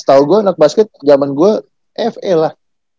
setau gue anak basket jaman gue fe lah